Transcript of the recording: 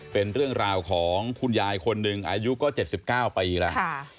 เป็นเรื่องราวของคุณยายคนหนึ่งอายุก็๗๙ปีแล้ว